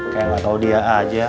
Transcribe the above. kayak gak tau dia aja